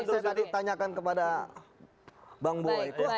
saya tadi tanyakan kepada bang boy